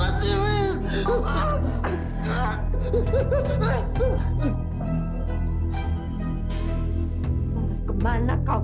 hai kemana kau